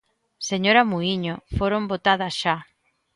Señora Muíño, foron votadas xa.